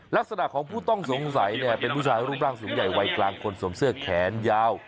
ลักษณะของผู้ต้องสงสัยเนี่ยเป็นผู้ชายรูปร่างสูงใหญ่วัยกลางคนสวมเสื้อแขนยาว